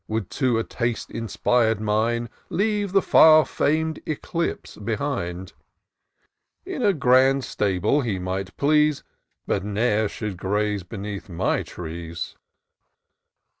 Would, to a taste inspir'd mind, Leave the far fam'd Eclipse behind : In a grand stable he might please. But ne'er should graze beneath my trees."